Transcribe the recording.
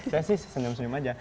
saya sih senyum senyum aja